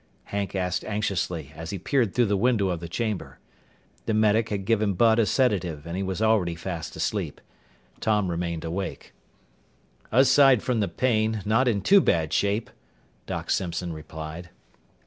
Hank asked anxiously as he peered through the window of the chamber. The medic had given Bud a sedative and he was already fast asleep. Tom remained awake. "Aside from the pain, not in too bad shape," Doc Simpson replied.